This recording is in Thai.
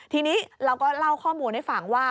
ทีนี้เราก็เล่าข้อมูลให้ฟังว่า